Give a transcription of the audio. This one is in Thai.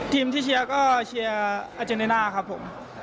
ทีมที่เชียวก็เชียวอาจารย์ในหน้าครับผม